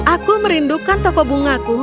aku merindukan toko bungaku